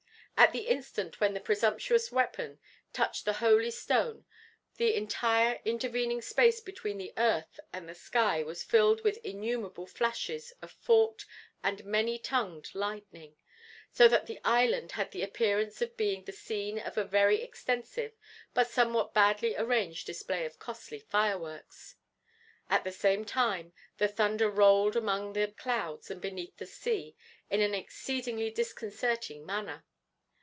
At the instant when the presumptuous weapon touched the holy stone the entire intervening space between the earth and the sky was filled with innumerable flashes of forked and many tongued lightning, so that the island had the appearance of being the scene of a very extensive but somewhat badly arranged display of costly fireworks. At the same time the thunder rolled among the clouds and beneath the sea in an exceedingly disconcerting manner.